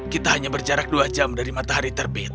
kita hanya berjarak dua jam dari matahari terbit